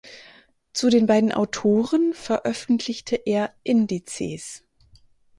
Zu den beiden Autoren veröffentlichte er Indices.